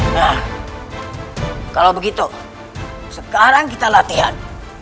nah kalau begitu sekarang kita latihan